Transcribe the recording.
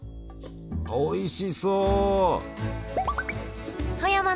おいしそう！